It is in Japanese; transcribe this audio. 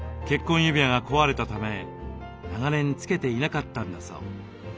結婚指輪が壊れたため長年つけていなかったんだそう。